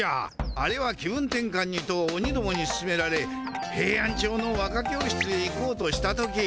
あれは気分転かんにとオニどもにすすめられヘイアンチョウの和歌教室へ行こうとした時。